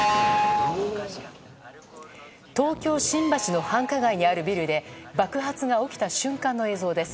東京・新橋の繁華街にあるビルで爆発が起きた瞬間の映像です。